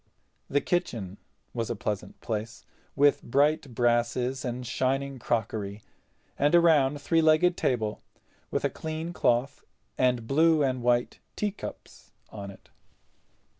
The kitchen was a pleasant place, with bright brasses and shining crockery, and a round three legged table with a clean cloth and blue and white teacups on it.